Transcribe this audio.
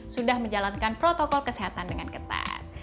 sudah menjalankan protokol kesehatan dengan ketat